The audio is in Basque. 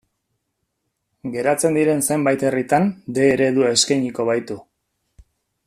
Geratzen diren zenbait herritan D eredua eskainiko baitu.